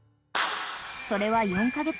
［それは４カ月前］